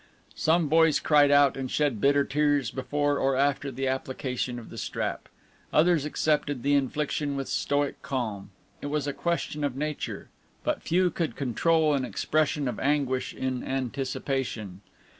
Some boys cried out and shed bitter tears before or after the application of the strap; others accepted the infliction with stoic calm; it was a question of nature; but few could control an expression of anguish in anticipation.